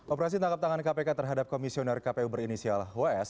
operasi tangkap tangan kpk terhadap komisioner kpu berinisial ws